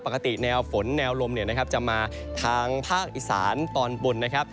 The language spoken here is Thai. ปกติแนวฝนแนวลมจะมาทางภาคอิสานตอนบนนะครับ